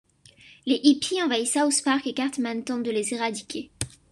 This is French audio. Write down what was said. Les hippies envahissent South Park et Cartman tente de les éradiquer.